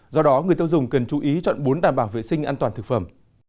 do đó người tiêu dùng cần chú ý chọn bún đảm bảo vệ sinh an toàn thực phẩm